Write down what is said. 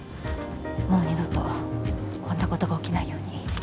もう二度とこんなことが起きないように。